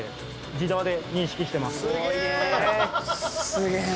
「すげえ！」